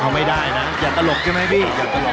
อ้าวไม่ได้นะอยากตลกใช่ไหมพี่